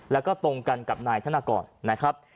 แล้วก็ตรงกันกับนายธนกรนะครับ